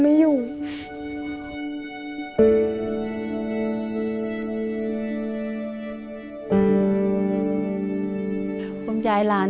พี่น้องของหนูก็ช่วยย่าทำงานค่ะ